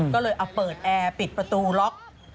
ก็เลยเอาเปิดแอร์ปิดประตูล็อก